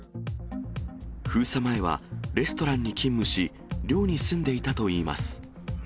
封鎖前はレストランに勤務し、寮に住んでいたといいます。